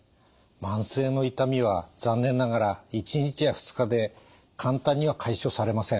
慢性の痛みは残念ながら１日や２日で簡単には解消されません。